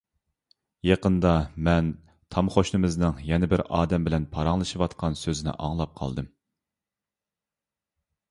يېقىندا مەن تام قوشنىمىزنىڭ يەنە بىر ئادەم بىلەن پاراڭلىشىۋاتقان سۆزىنى ئاڭلاپ قالدىم.